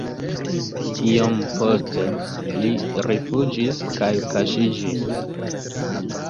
Iom poste li rifuĝis kaj kaŝiĝis.